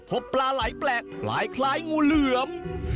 พบปลาไหลแปลกคล้ายงูเหลือม